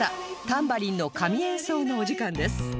タンバリンの神演奏のお時間です